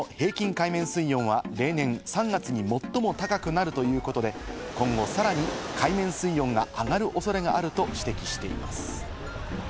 海面水温は例年３月で最も高くなるということで、今後さらに海面水温が上がる恐れがあると指摘しています。